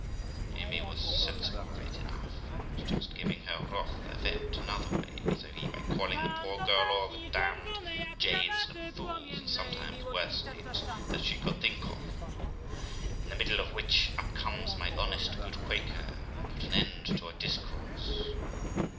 Amy was sensible of it enough, and was just giving her wrath a vent another way, viz. by calling the poor girl all the damned jades and fools ( and sometimes worse names) that she could think of, in the middle of which up comes my honest, good Quaker, and put an end to our discourse.